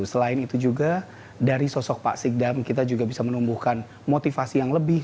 selain itu juga dari sosok pak sikdam kita juga bisa menumbuhkan motivasi yang lebih